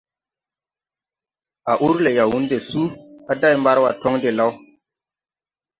A ur le Yawunde suu a day Marwa tɔŋ de law.